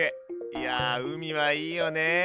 いや海はいいよね。